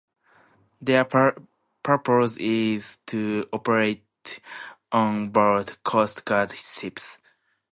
Their purpose is to operate onboard Coast Guard ships.